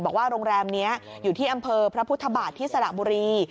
โรงแรมนี้อยู่ที่อำเภอพระพุทธบาทที่สระบุรี